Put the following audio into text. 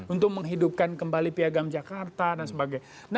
untuk menghidupkan kembali piagam jakarta dan sebagainya